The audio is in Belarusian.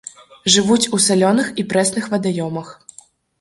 Жывуць у салёных і прэсных вадаёмах.